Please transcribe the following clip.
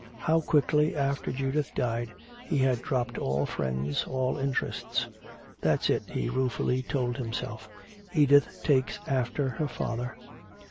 How quickly after Judith died he had dropped all friends, all interests. "That's it," he ruefully told himself, "Edith takes after her father."